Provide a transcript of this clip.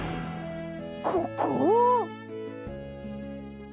ここ！？